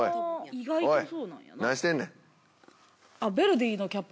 意外とそうなんやな。